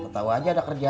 tau aja ada kerjaan